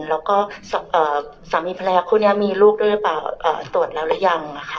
แล้วก็เอ่อสามีภรรยาคู่เนี้ยมีลูกด้วยหรือเปล่าเอ่อตรวจแล้วหรือยังอะค่ะ